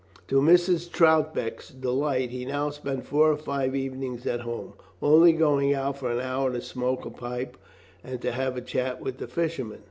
To Mrs. Troutbeck's delight he now spent four or five evenings at home, only going out for an hour to smoke a pipe and to have a chat with the fishermen.